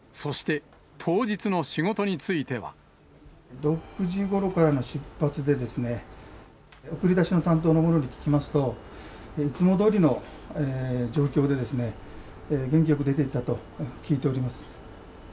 そして、６時ごろからの出発で、送り出しの担当の者に聞きますと、いつもどおりの状況で、元気よく出ていったと聞いております。